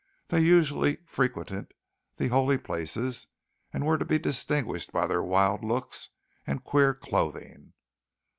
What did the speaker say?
They usually frequented the holy places and were to be distinguished by their wild looks and queer clothing.